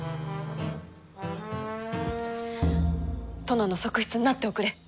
殿の側室になっておくれ。